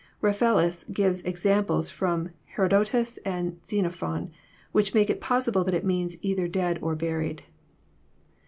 Raphelius gives examples from Herodotus and Xenophon, which make It possible that It means either dead or burled.